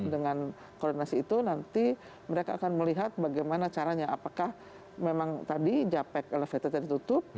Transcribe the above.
dengan koordinasi itu nanti mereka akan melihat bagaimana caranya apakah memang tadi japek elevatednya ditutup